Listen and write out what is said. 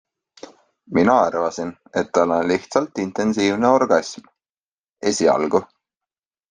Mina arvasin, et tal on lihtsalt intensiivne orgasm ... esialgu.